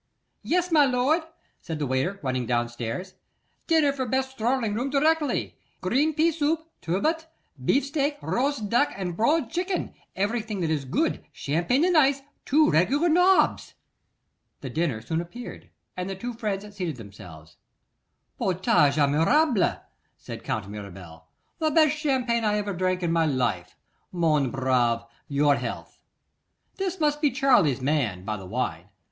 'Yes, my lord,' said the waiter, running down stairs. 'Dinner for best drawing room directly; green pea soup, turbot, beefsteak, roast duck and boiled chicken, everything that is good, champagne in ice; two regular nobs!' The dinner soon appeared, and the two friends seated themselves. 'Potage admirable!' said Count Mirabel. 'The best champagne I ever drank in my life. Mon brave, your health. This must be Charley's man, by the wine.